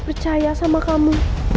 percaya sama kamu